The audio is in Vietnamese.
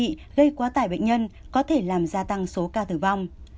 các cơ sở điều trị gây quá tải bệnh nhân có thể làm gia tăng số ca tử vong